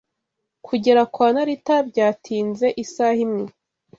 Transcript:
Kugera kwa Narita byatinze isaha imwe.